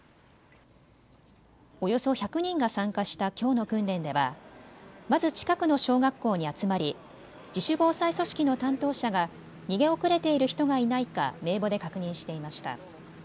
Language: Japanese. およそ１００人が参加したきょうの訓練ではまず近くの小学校に集まり自主防災組織の担当者が逃げ遅れている人がいないか名簿で確認していました。